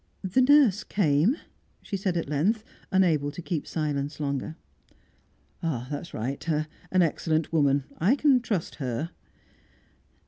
"The nurse came," she said at length, unable to keep silence longer. "That's right. An excellent woman; I can trust her."